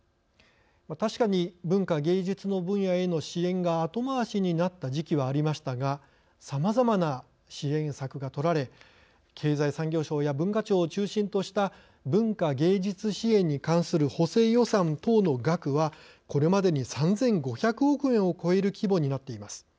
確かに、文化芸術の分野への支援が後回しになった時期はありましたがさまざまな支援策がとられ経済産業省や文化庁を中心とした文化芸術支援に関する補正予算等の額はこれまでに３５００億円を超える規模になっています。